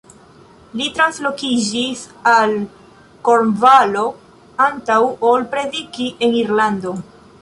Li translokiĝis al Kornvalo antaŭ ol prediki en Irlando.